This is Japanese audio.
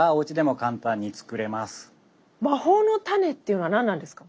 魔法の種っていうのは何なんですか？